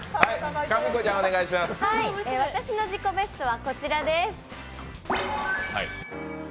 私の自己ベストはこちらです。